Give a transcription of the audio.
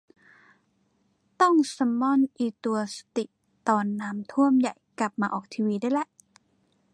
ต้องซัมมอนอิตัวสติตอนน้ำท่วมใหญ่กลับมาออกทีวีได้ละ